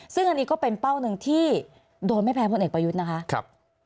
ซึ่งอันนี้ก็เป็นเป้าหนึ่งที่โดนไม่แพ้พลเอกประยุทธ์นะคะ